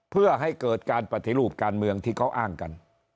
เพื่อให้เกิดการปฏิรูปการเมืองที่เขาอ้างกัน